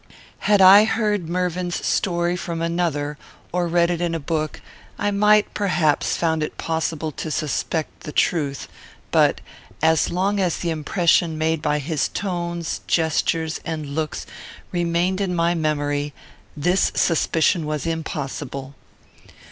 Had I heard Mervyn's story from another, or read it in a book, I might, perhaps, have found it possible to suspect the truth; but, as long as the impression made by his tones, gestures, and looks, remained in my memory, this suspicion was impossible.